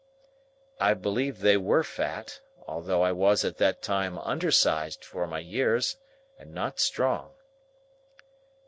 I believe they were fat, though I was at that time undersized for my years, and not strong.